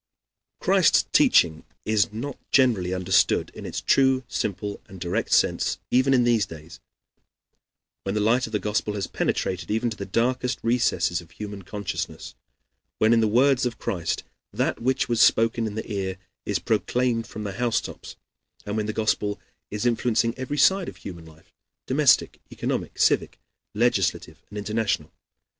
Christ's teaching is not generally understood in its true, simple, and direct sense even in these days, when the light of the Gospel has penetrated even to the darkest recesses of human consciousness; when, in the words of Christ, that which was spoken in the ear is proclaimed from the housetops; and when the Gospel is influencing every side of human life domestic, economic, civic, legislative, and international.